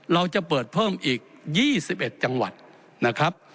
เราจะเปิดเพิ่มอีก๒๑จังหวัดนะครับ